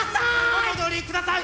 お戻りください！